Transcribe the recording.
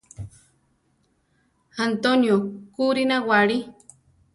Antonio kurí nawáli.